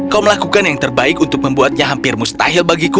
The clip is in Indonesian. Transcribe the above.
kau melakukan yang terbaik untuk membuatnya hampir mustahil bagiku